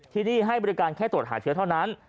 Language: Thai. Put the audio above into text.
ที่นี่ให้บริการแค่ตรวจหาเชื้อเท่านั้น